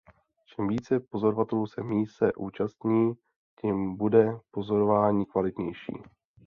Čím více pozorovatelů se míse účastní, tím bude pozorování kvalitnější.